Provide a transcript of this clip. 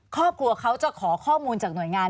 ครอบครัวเขาจะขอข้อมูลจากหน่วยงาน